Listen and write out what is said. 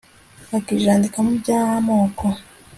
bakijandika muby'amoko